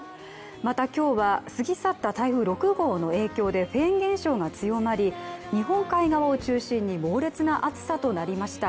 また今日は過ぎ去った台風６号の影響でフェーン現象が強まり、日本海側を中心に猛烈な暑さとなりました。